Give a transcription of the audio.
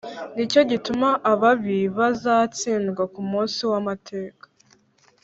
Ni cyo gituma ababi bazatsindwa ku munsi w’amateka,